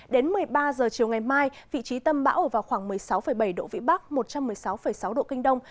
đến một mươi ba h chiều ngày mai vị trí tâm bão ở vào khoảng một mươi sáu bảy độ vĩ bắc một trăm một mươi sáu sáu độ kinh đông